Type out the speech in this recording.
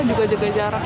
juga jaga jarak